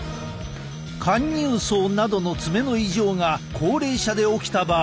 陥入爪などの爪の異常が高齢者で起きた場合。